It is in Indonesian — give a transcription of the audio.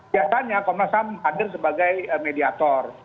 biasanya komnas ham hadir sebagai mediator